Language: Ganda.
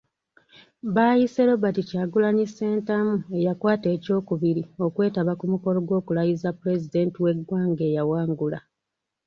Baayise Robert Kyagulanyi Ssentamu eyakwata ekyokubiri okwetaba ku mukolo gw'okulayiza Pulezidenti w'eggwanga eyawangula .